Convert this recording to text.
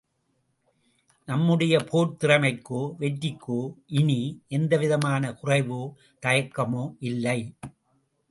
நம்முடைய போர்த் திறமைக்கோ, வெற்றிக்கோ இனி எந்தவிதமான குறைவோ, தயக்கமோ இல்லை.